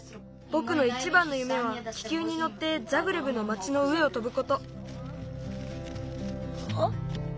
ぼくのいちばんのゆめは気球にのってザグレブの町の上を飛ぶこと。